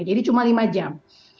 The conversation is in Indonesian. jadi cuma lima jam